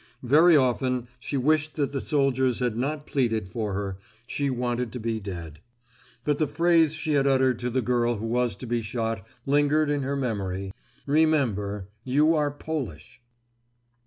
Very often she wished that the soldiers had not pleaded for her; she wanted to be dead. But the phrase she had uttered to the girl who was to be shot, lingered in her memory, "Remember, you are Polish."